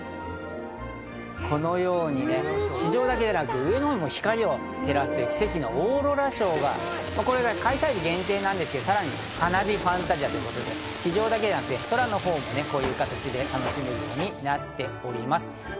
このように地上だけでなく上にも光を照らす、奇跡のオーロラショーが開催日限定なんですけどさらに花火ファンタジアということで地上だけでなく空のほうもこういう形で楽しめるようになっております。